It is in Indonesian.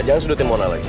jangan sudutin mona lagi